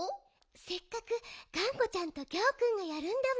せっかくがんこちゃんとギャオくんがやるんだもの。